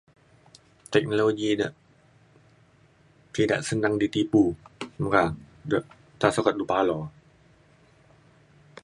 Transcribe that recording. teknologi de tidak senang ditipu meka de nta sukat du palo